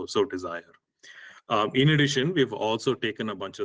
seperti yang kami lakukan minggu lalu